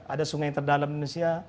ada sungai terdalam di indonesia